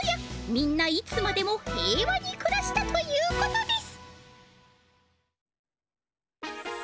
みんないつまでも平和にくらしたということです